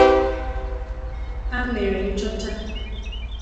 Ha mere nchọcha